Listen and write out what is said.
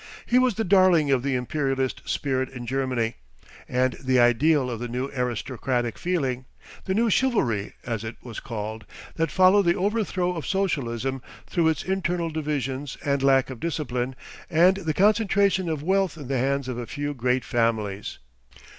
He was the darling of the Imperialist spirit in German, and the ideal of the new aristocratic feeling the new Chivalry, as it was called that followed the overthrow of Socialism through its internal divisions and lack of discipline, and the concentration of wealth in the hands of a few great families.